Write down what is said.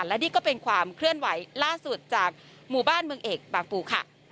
และนี่ก็เป็นความเคลื่อนไหวล่าสุดจากหมู่บ้านเมืองเอกบางปูค่ะ